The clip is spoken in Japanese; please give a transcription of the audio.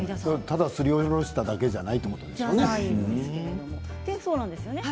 ただすりおろしただけではないということですよね。